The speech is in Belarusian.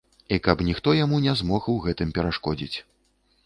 І каб ніхто яму не змог у гэтым перашкодзіць.